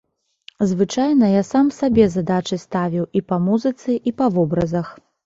Звычайна я сам сабе задачы ставіў і па музыцы, і па вобразах.